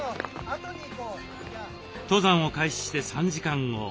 登山を開始して３時間後。